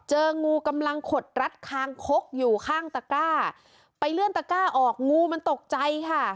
เจองูกำลังขดรัดคางคกอยู่ข้างตะก้าไปเลื่อนตะก้าออกงูมันตกใจค่ะ